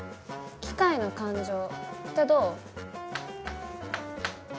「機械の感情」ってどう？